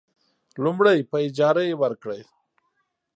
لومړی: په اجارې ورکړه.